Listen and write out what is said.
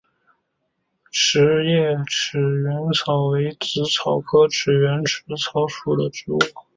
匙叶齿缘草为紫草科齿缘草属的植物。